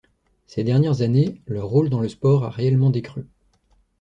Ces dernières années, leur rôle dans le sport a réellement décru.